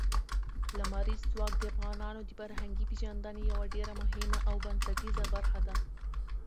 لمریز ځواک د افغانانو د فرهنګي پیژندنې یوه ډېره مهمه او بنسټیزه برخه ده.